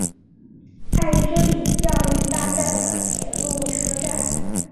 爱之里教育大站的铁路车站。